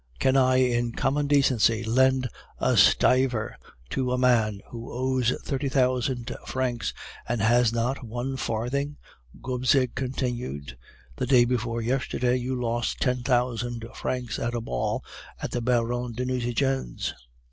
Can I in common decency lend a stiver to a man who owes thirty thousand francs, and has not one farthing?' Gobseck continued. 'The day before yesterday you lost ten thousand francs at a ball at the Baron de Nucingen's.